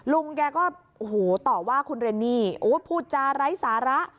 ลุงแกก็ต่อว่าคุณเรนนี่พูดจารัยสาระ